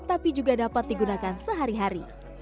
tapi juga dapat digunakan sehari hari